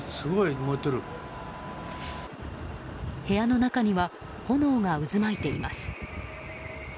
部屋の中には炎が渦巻いています。